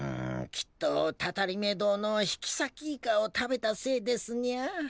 きっとたたりめ堂の引きさきイカを食べたせいですニャ。